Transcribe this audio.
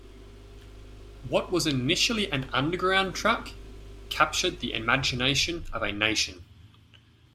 What was initially an underground track captured the imagination of a nation!